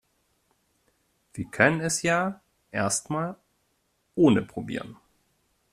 Wir können es ja erst mal ohne probieren.